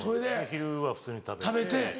昼は普通に食べて。